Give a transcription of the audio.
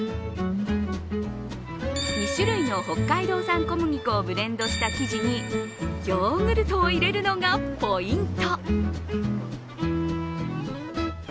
２種類の北海道産小麦粉をブレンドした生地にヨーグルトを入れるのがポイント。